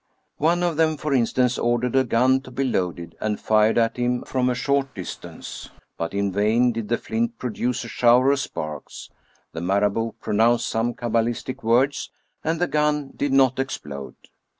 One of them, for instance, ordered a gun to be loaded and fired at him from a short distance, but in vain did the flint produce a shower of sparks ; the Marabout pronounced some cabalistic words, and the gun did not explode.